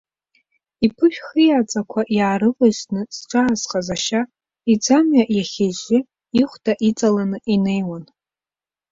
Иԥышә хиаҵәаақәа иаарывҵжжны зҿаазхаз ашьа, иӡамҩа иахьыжжы, ихәда иҵаланы инеиуан.